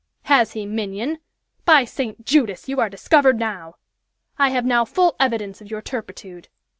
"Has he, minion? By St. Judas! you are discovered now! I have now full evidence of your turpitude.